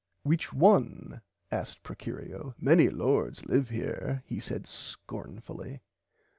Which one asked Procurio many lords live here he said scornfully.